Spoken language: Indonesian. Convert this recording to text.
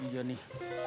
ini dia nih